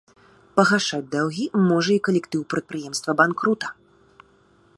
Пагашаць даўгі можа і калектыў прадпрыемства-банкрута.